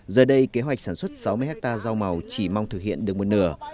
giờ đây kế hoạch sản xuất sáu mươi hectare rau màu chỉ mong thực hiện được một nửa